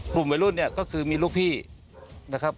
ภูมิเอาลุ่นนี้ก็คือมีลูกพี่นะครับ